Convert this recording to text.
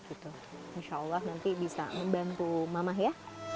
insya allah nanti bisa membantu mamah ya